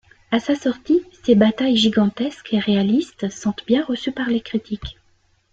À sa sortie, ses batailles gigantesques et réalistes sont bien reçues par les critiques.